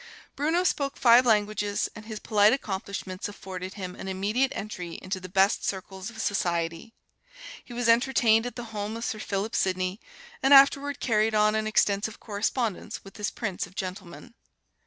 Bruno spoke five languages, and his polite accomplishments afforded him an immediate entry into the best circles of society. He was entertained at the home of Sir Philip Sidney, and afterward carried on an extensive correspondence with this prince of gentlemen.